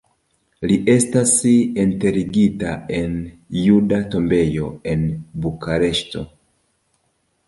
Li estas enterigita en Juda Tombejo en Bukareŝto.